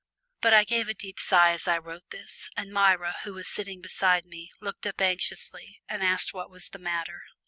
But I gave a deep sigh as I wrote this, and Myra, who was sitting beside me, looked up anxiously, and asked what was the matter.